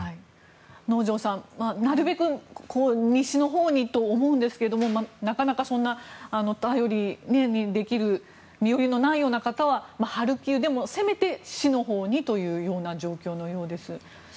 能條さん、なるべく西のほうにと思うんですが身寄りのない方はハルキウでもせめて市のほうにという状況のようです。